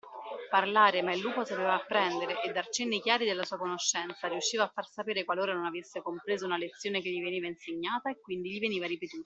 Parlare, ma il lupo sapeva apprendere, e dar cenni chiari della sua conoscenza: riusciva a far sapere qualora non avesse compreso una lezione che gli veniva insegnata, e quindi gli veniva ripetuta.